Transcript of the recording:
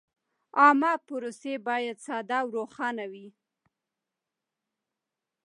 عامه پروسې باید ساده او روښانه وي.